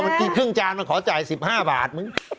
คือครึ่งจานมันขอจ่าย๑๕บาทมึง